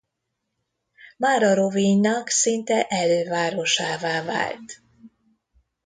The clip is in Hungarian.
Mára Rovinjnak szinte elővárosává vált.